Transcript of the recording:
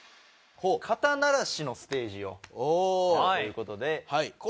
肩慣らしのステージをやるという事で。